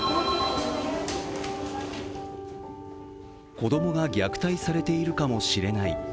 子供が虐待されているかもしれない。